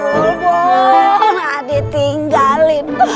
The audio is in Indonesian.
bulbul gak ditinggalin